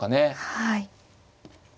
はい。